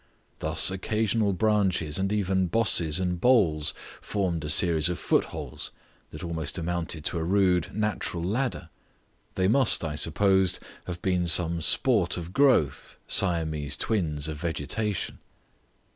Thus occasional branches and even bosses and boles formed a series of footholds that almost amounted to a rude natural ladder. They must, I supposed, have been some sport of growth, Siamese twins of vegetation.